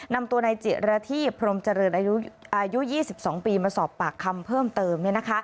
นำตัวนายจิระธีพรมเจริญอายุ๒๒ปีมาสอบปากคำเพิ่มเติม